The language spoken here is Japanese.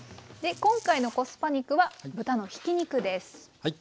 今回のコスパ肉は豚のひき肉です。